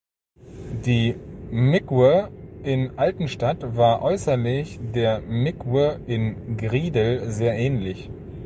Die Mikwe in Altenstadt war äußerlich der Mikwe in Griedel sehr ähnlich.